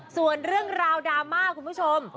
ส่วนเรื่องราวดราม่าคุณผู้ชม